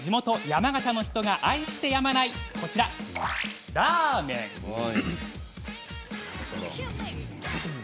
地元、山形の人が愛してやまないこちら、ラーメン。